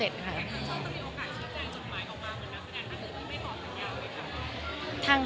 แล้วทางช่องจะมีโอกาสที่จะแจงจดไม้ออกมาเหมือนนักแสดง